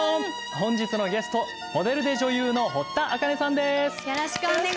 本日のゲストモデルで女優の堀田茜さんです。